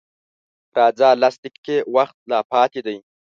_راځه! لس دقيقې وخت لا پاتې دی.